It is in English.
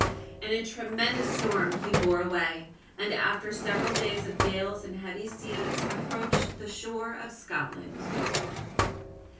In a tremendous storm he bore away, and after several days of gales and heavy seas, approached the shore of Scotland.